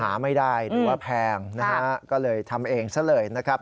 หาไม่ได้หรือว่าแพงนะฮะก็เลยทำเองซะเลยนะครับ